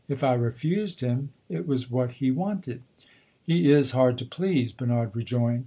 "If I refused him, it was what he wanted." "He is hard to please," Bernard rejoined.